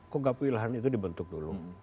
konggap wilhan itu dibentuk dulu